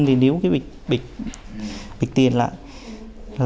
thì níu cái bịch tiền lại